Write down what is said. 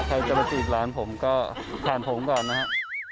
ใครจะมาจีบร้านผมก็ผ่านผมก่อนนะครับ